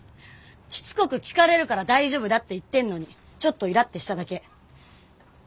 しつこく聞かれるから大丈夫だって言ってんのにちょっとイラッてしただけ。